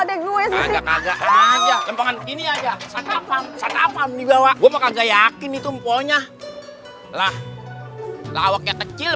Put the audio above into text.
ini aja aja ini aja aja apa nih bawa gua nggak yakin itu punya lah lawaknya kecil